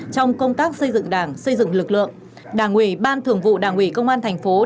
trong công tác xây dựng đảng xây dựng lực lượng đảng ủy ban thường vụ đảng ủy công an thành phố